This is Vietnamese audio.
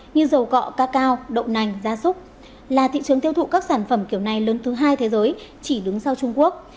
như dầu cọ cacao đậu nành da súc là thị trường tiêu thụ các sản phẩm kiểu này lớn thứ hai thế giới chỉ đứng sau trung quốc